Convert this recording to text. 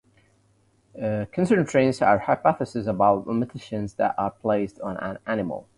Constraints are hypotheses about the limitations that are placed on an animal.